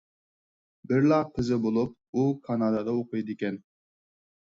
بىرلا قىزى بولۇپ، ئۇ كانادادا ئوقۇيدىكەن.